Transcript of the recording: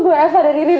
bawa eva dari ririn